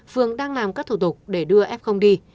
phương đang làm các thủ tục để đưa f đi